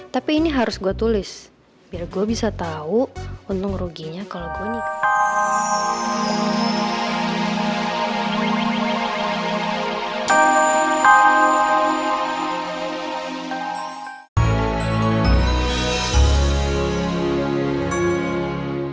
tapi ini harus gue tulis biar gue bisa tahu untung ruginya kalau gue nikah